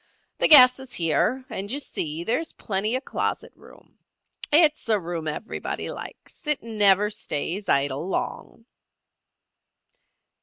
The gas is here, and you see there is plenty of closet room. It's a room everybody likes. It never stays idle long."